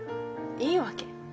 いいわけ。